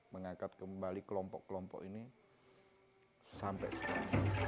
mengangkat kembali kelompok kelompok ini sampai sekarang